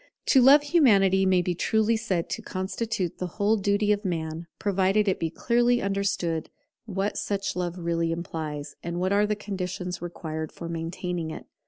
To love Humanity may be truly said to constitute the whole duty of Man; provided it be clearly understood what such love really implies, and what are the conditions required for maintaining it.